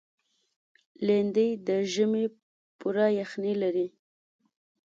لېندۍ د ژمي پوره یخني لري.